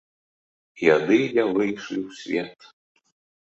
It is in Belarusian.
І яны не выйшлі ў свет.